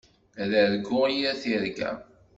Ad arguɣ yir tirga.